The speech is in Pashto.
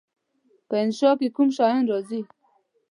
په انشأ کې کوم شیان راځي؟